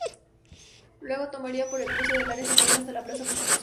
Luego, tomaría por el Cruce del Área Central hasta Plaza Constitución.